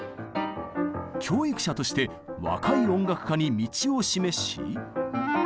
教育者として若い音楽家に道を示し。